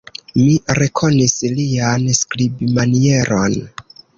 Mi rekonis lian skribmanieron.